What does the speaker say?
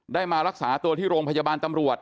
มารักษาตัวที่โรงพยาบาลตำรวจ